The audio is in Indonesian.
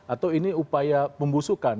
atau ini upaya pembusukan